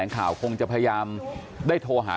ลองฟังเสียงช่วงนี้ดูค่ะ